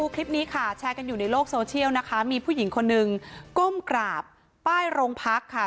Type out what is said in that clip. คลิปนี้ค่ะแชร์กันอยู่ในโลกโซเชียลนะคะมีผู้หญิงคนนึงก้มกราบป้ายโรงพักค่ะ